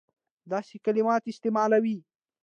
داسي کلمات استعمالوي.